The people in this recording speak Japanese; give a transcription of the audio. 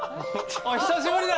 久しぶりだ。